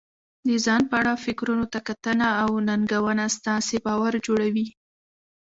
د ځان په اړه فکرونو ته کتنه او ننګونه ستاسې باور جوړوي.